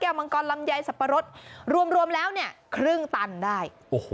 แก่วบังกอลลำใยสัปปะรดรวมแล้วเนี้ยครึ่งตันได้